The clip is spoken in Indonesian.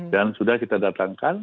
dan sudah kita datangkan